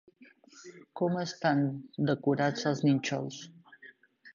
Com estan decorats els nínxols?